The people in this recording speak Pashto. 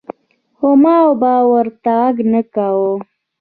خو ما به ورته غږ نۀ کوۀ ـ